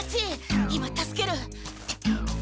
今助ける！